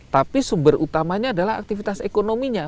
tapi sumber utamanya adalah aktivitas ekonominya